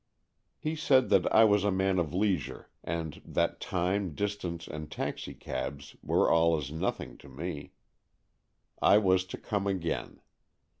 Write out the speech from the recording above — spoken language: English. He said that I was a man of leisure, and that time, distance, and taxicabs were all as nothing to me. I was to come again.